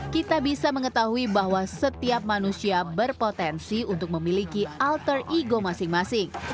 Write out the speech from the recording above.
kita bisa mengetahui bahwa setiap manusia berpotensi untuk memiliki alter ego masing masing